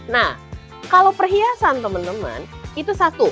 nah kalau perhiasan teman teman itu satu